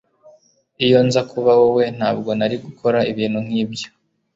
Iyo nza kuba wowe ntabwo nari gukora ibintu nkibyo